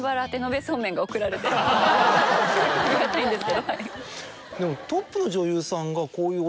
ありがたいんですけど。